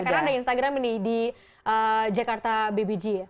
karena ada instagram ini di jakarta bbg ya